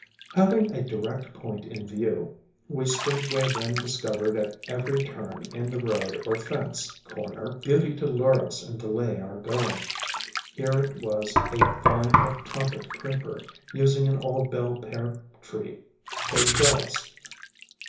Having a direct point in view, we straightway then discovered at every turn in the road or fence corner, beauty to lure us and delay our going. Here, it was a vine of Trumpet Creeper, using an old Bell pear tree for a trellis.